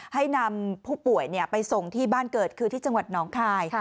ให้นำผู้ป่วยไปส่งที่บ้านเกิดคือที่จังหวัดน้องคาย